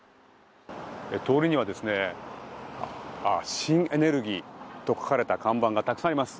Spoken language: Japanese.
通りには新エネルギーと書かれた看板がたくさんあります。